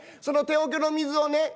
その手おけの水をね